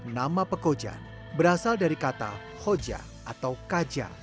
nama pekojan berasal dari kata hoja atau kaja